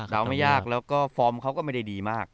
เราไม่ยากแล้วก็ฟอร์มเขาก็ไม่ได้ดีมาก